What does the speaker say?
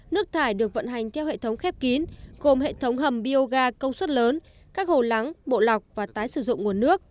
nước thải được vận hành theo hệ thống khép kín gồm hệ thống hầm bioga công suất lớn các hồ lắng bộ lọc và tái sử dụng nguồn nước